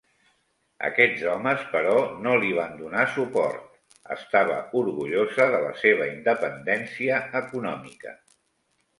Aquests homes, però, no li van donar suport; estava orgullosa de la seva independència econòmica.